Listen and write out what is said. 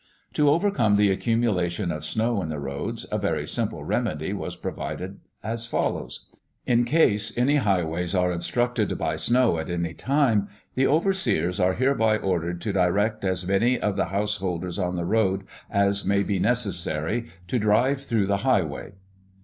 To overcome the accumulation of snow in the roads a very simple remedy was provided as follows: "In case any highways are obstructed by snow at any time the overseers are hereby ordered to direct as many of the householders on the road as may be necessary to drive through the highway."